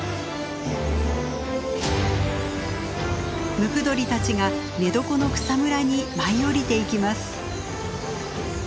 ムクドリたちが寝床の草むらに舞い降りていきます。